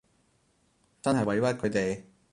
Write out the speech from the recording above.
真係委屈佢哋